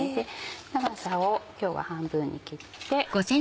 長さを今日は半分に切って。